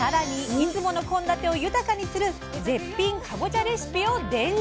いつもの献立を豊かにする絶品かぼちゃレシピを伝授。